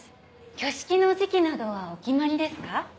挙式の時期などはお決まりですか？